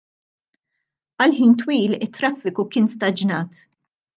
Għal ħin twil it-traffiku kien staġnat.